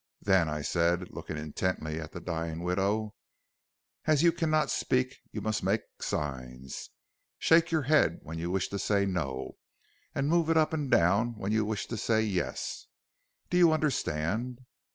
Then I said, looking intently at the dying widow: "'As you cannot speak, you must make signs. Shake your hand when you wish to say no, and move it up and down when you wish to say yes. Do you understand?'